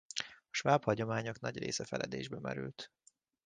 A sváb hagyományok nagy része feledésbe merült.